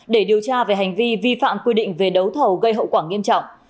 để điều tra về hành vi vi phạm quy định về đấu thầu gây hậu quả nghiêm trọng